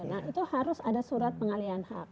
betul nah itu harus ada surat pengalihan hak